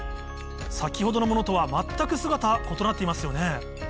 先ほどのものとは全く姿異なっていますよね